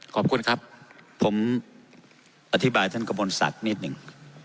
ขอบคุณครับผมอธิบายท่านกระบวนศักดิ์นิดหนึ่ง